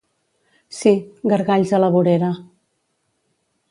Sí, gargalls a la vorera.